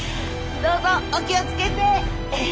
どうぞお気を付けて。